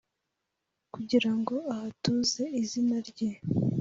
kugira ngo ahatuze izina rye.